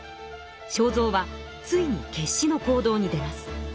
正造はついに決死の行動に出ます。